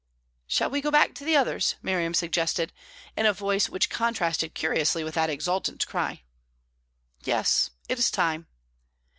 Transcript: "Shall we go back to the others?" Miriam suggested, in a voice which contrasted curiously with that exultant cry. "Yes; it is time."